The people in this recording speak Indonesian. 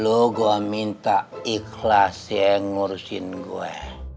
lo gue minta ikhlas ya ngurusin gue